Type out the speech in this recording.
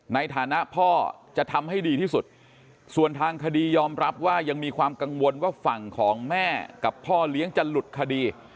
ในฐานะพ่อจะทำให้ดีที่สุดส่วนทางคดียอมรับว่ายังมีความกังวลว่าฝั่งของแม่กับพ่อเลี้ยงจะหลุดคดี